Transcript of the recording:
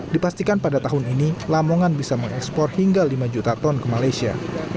dipastikan pada tahun ini lamongan bisa mengekspor hingga lima juta ton ke malaysia